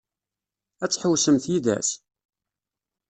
Ad tḥewwsemt yid-s?